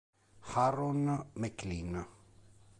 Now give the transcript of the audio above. Aaron McLean